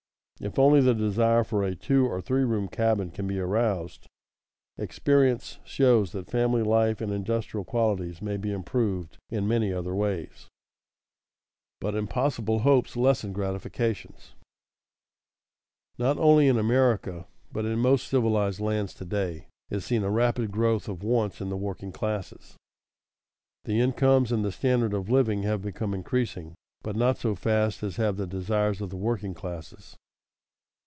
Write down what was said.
If only the desire for a two or three room cabin can be aroused, experience shows that family life and industrial qualities may be improved in many other ways. [Sidenote: But impossible hopes lessen gratifications] Not only in America, but in most civilized lands to day, is seen a rapid growth of wants in the working classes. The incomes and the standard of living have become increasing, but not so fast as have the desires of the working classes.